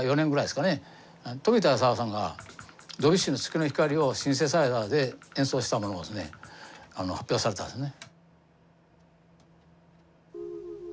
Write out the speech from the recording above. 冨田勲さんがドビュッシーの「月の光」をシンセサイザーで演奏したものをですね発表されたんですね。